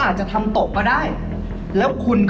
สนุกสนุกสนุกสนุก